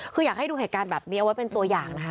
คืออยากให้ดูเหตุการณ์แบบนี้เอาไว้เป็นตัวอย่างนะคะ